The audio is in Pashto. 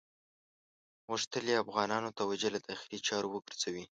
غوښتل یې افغانانو توجه له داخلي چارو وګرځوي.